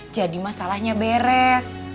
jadi masalahnya beres